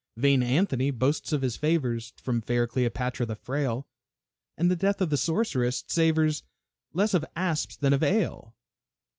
Vain Anthony boasts of his favors From fair Cleopatra the frail, And the death of the sorceress savors Less of asps than of ale.